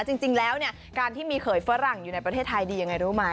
จริงแล้วเนี่ยการที่มีเขยฝรั่งอยู่ในประเทศไทยดียังไงรู้ไหม